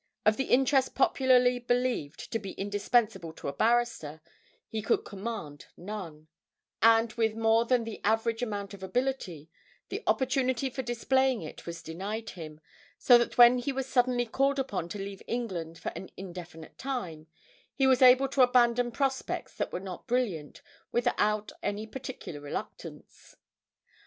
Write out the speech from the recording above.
Of the interest popularly believed to be indispensable to a barrister he could command none, and, with more than the average amount of ability, the opportunity for displaying it was denied him; so that when he was suddenly called upon to leave England for an indefinite time, he was able to abandon prospects that were not brilliant without any particular reluctance.